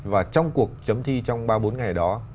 và trong cuộc chấm thi trong ba bốn ngày đó